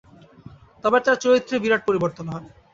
তবে তাঁর চরিত্রের বিরাট পরিবর্তন হয়।